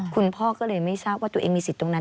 คุณพ่อก็เลยไม่ทราบว่าตัวเองมีสิทธิ์ตรงนั้น